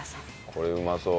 これうまそう。